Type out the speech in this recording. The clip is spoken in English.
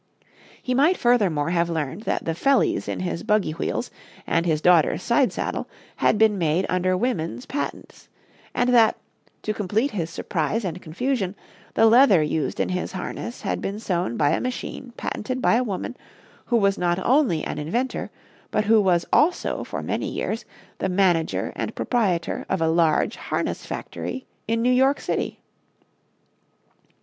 He might furthermore have learned that the fellies in his buggy wheels and his daughter's side saddle had been made under women's patents; and that, to complete his surprise and confusion, the leather used in his harness had been sewn by a machine patented by a woman who was not only an inventor but who was also for many years the manager and proprietor of a large harness factory in New York City.